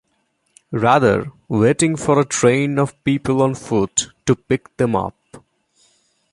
Rather, waiting for a train of people on foot to pick them up.